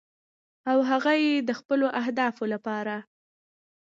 او هغه یې د خپلو اهدافو لپاره